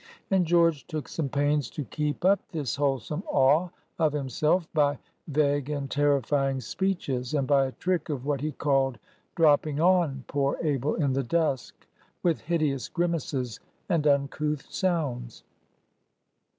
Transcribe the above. And George took some pains to keep up this wholesome awe of himself, by vague and terrifying speeches, and by a trick of what he called "dropping on" poor Abel in the dusk, with hideous grimaces and uncouth sounds.